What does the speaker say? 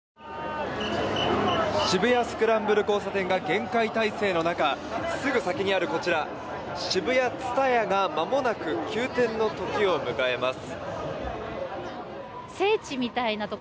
渋谷・スクランブル交差点が厳戒態勢の中すぐ先にある、こちらＳＨＩＢＵＹＡＴＳＵＴＡＹＡがまもなく休店の時を迎えます。